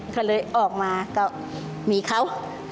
ก็เลยออกมาก็มีเขา